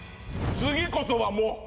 次こそはもう。